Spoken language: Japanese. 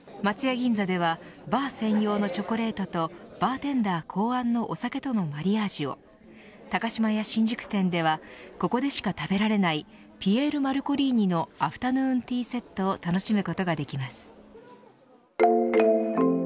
銀座ではバー専用のチョコレートとバーテンダー考案のお酒とのマリアージュを高島屋新宿店ではここでしか食べられないピエールマルコリーニのアフタヌーンティーセットを楽しむことができます。